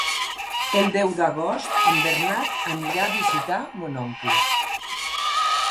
El deu d'agost en Bernat anirà a visitar mon oncle.